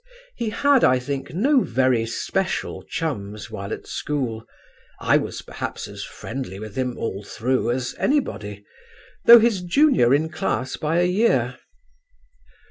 "He had, I think, no very special chums while at school. I was perhaps as friendly with him all through as anybody, though his junior in class by a year....